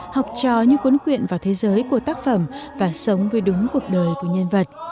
học trò như cuốn quyện vào thế giới của tác phẩm và sống với đúng cuộc đời của nhân vật